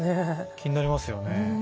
気になりますよね。